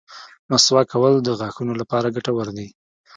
مسواک کول د غاښونو لپاره ګټور دي.